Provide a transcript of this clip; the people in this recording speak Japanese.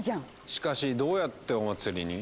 しかしどうやってお祭りに？